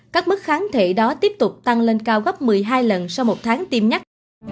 các mức kháng thể đó tiếp tục tăng lên cao gấp một mươi hai lần sau một tháng tiêm nhắc